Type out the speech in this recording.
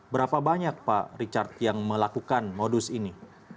berapa banyak pak richard yang melakukan modus ini